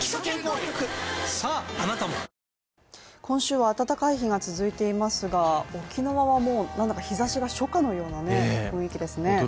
今週は暖かい日が続いていますが沖縄はもう日ざしが初夏のような雰囲気ですね